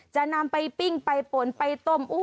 จะนำไปปิ้งไปปนไปต้ม